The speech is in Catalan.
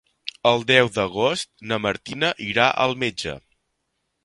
El deu d'agost na Martina irà al metge.